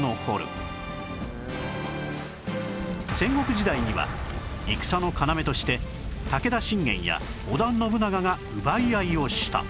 戦国時代には戦の要として武田信玄や織田信長が奪い合いをした